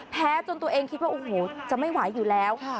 จนตัวเองคิดว่าโอ้โหจะไม่ไหวอยู่แล้ว